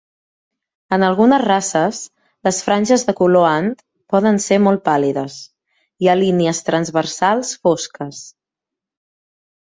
En algunes races, les franges de color ant poden ser molt pàl·lides. Hi ha línies transversals fosques.